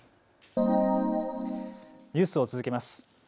ニュースを続けます。